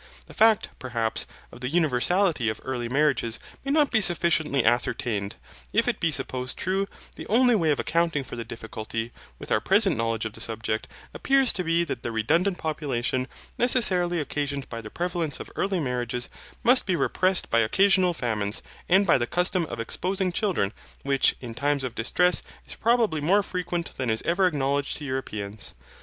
The fact, perhaps, of the universality of early marriages may not be sufficiently ascertained. If it be supposed true, the only way of accounting for the difficulty, with our present knowledge of the subject, appears to be that the redundant population, necessarily occasioned by the prevalence of early marriages, must be repressed by occasional famines, and by the custom of exposing children, which, in times of distress, is probably more frequent than is ever acknowledged to Europeans.